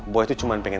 buah itu cuma pengen